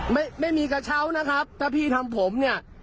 ไม่มีกระเช้านะครับถ้าพี่ทำผมเนี่ย